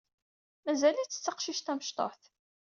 Mazal-itt d taqcict tamecṭuḥt.